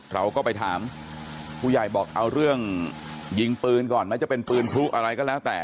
เราก็ไปถามผู้ใหญ่บอกเอาเรื่องยิงปืนก่อนแม้จะเป็นปืนพลุอะไรก็แล้วแต่